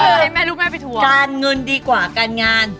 การเงินดีกว่าการงาน